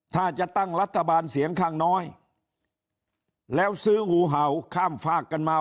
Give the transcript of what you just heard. ถ้าจะตั้งรัฐบาลเสียงข้างน้อยแล้วซื้องูเห่าข้ามฝากกันมา